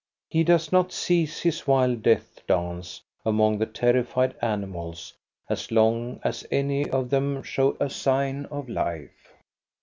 He does not cease his wild death dance among the terrified animals as long as any of them show a sign of life.